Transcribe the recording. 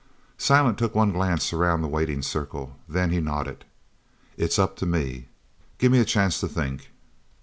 Silent took one glance around that waiting circle. Then he nodded. "It's up to me. Gimme a chance to think."